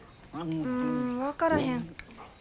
うん分からへん。